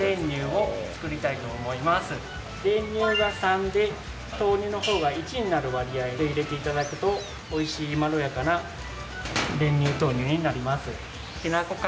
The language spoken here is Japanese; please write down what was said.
練乳が３で豆乳のほうが１になる割合で入れていただくとおいしいまろやかな練乳豆乳になります。